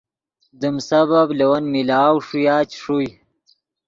دیم سبب لے ون ملاؤ ݰویا چے ݰوئے